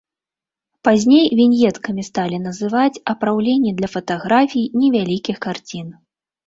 Пазней віньеткамі сталі называць апраўленні для фатаграфій, невялікіх карцін.